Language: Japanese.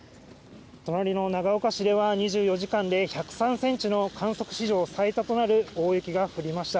隣の長岡市では、２４時間で１０３センチの観測史上最多となる大雪が降りました。